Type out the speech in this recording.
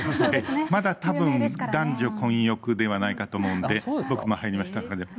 まだたぶん、男女混浴ではないかと思うんで、僕も入りましたから。